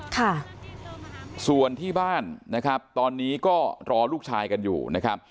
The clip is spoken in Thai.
ค่ะส่วนที่บ้านนะครับตอนนี้ก็รอลูกชายกันอยู่นะครับ